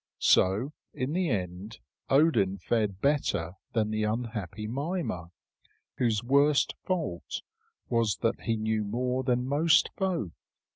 So in the end Odin fared better than the unhappy Mimer, whose worst fault was that he knew more than most folk.